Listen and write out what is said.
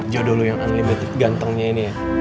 jadwal lo yang unlimited gantengnya ini ya